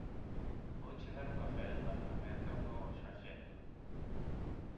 Vouche dar unha felpa –ameazouno o sarxento.